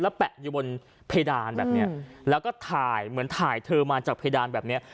แปะอยู่บนเพดานแบบเนี้ยแล้วก็ถ่ายเหมือนถ่ายเธอมาจากเพดานแบบเนี้ย